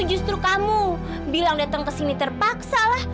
justru kamu bilang datang kesini terpaksa lah